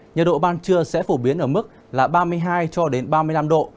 nhà độ ban trưa sẽ phổ biến ở mức ba mươi hai ba mươi năm độ